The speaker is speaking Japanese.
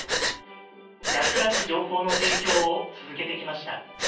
役立つ情報の提供を続けてきました。